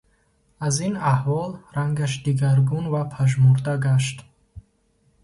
Аз ин аҳвол рангаш дигаргун ва пажмурда гашт.